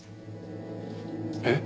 えっ？